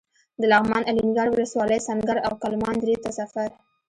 د لغمان الینګار ولسوالۍ سنګر او کلمان درې ته سفر.